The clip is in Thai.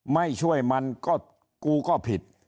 ไม่ช่วยมันก็กูก็ผิด